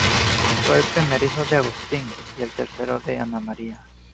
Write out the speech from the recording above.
Fue el primer hijo de Agustín y el tercero de Ana María.